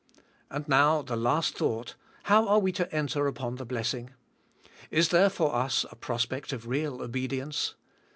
And now the last thought: How are we to enter upon the bless ing? Is there for us a prospect of real obedience?